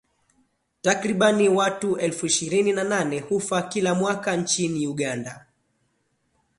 Takriban watu elfu ishirini na nane hufa kila mwaka nchini Uganda